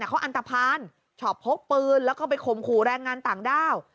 เขาอันตภัณฑ์ชอบพกปืนแล้วก็ไปข่มขู่แรงงานต่างด้าว